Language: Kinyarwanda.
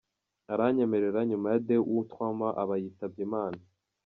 Aranyemerera, nyuma ya deux ou trois mois aba yitabye Imana.